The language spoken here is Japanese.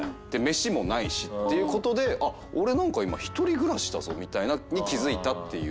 飯もないしっていう事であっ俺なんか今一人暮らしだぞみたいな気づいたっていう。